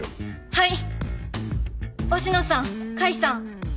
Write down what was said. はい。